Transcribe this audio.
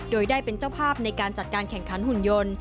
โดยได้เป็นเจ้าภาพในการจัดการแข่งขันหุ่นยนต์